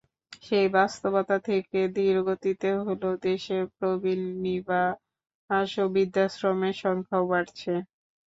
সেই বাস্তবতা থেকে ধীরগতিতে হলেও দেশে প্রবীণ নিবাস বা বৃদ্ধাশ্রমের সংখ্যাও বাড়ছে।